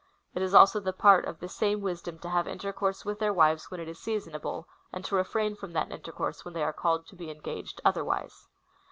It is also the part of the same wisdom to have inter course with their wives when it is seasonable, and to refrain from that intercourse when they are called to be engaged otherwise.